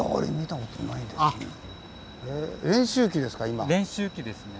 練習機ですね。